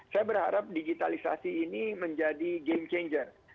saya berharap digitalisasi ini menjadi game changer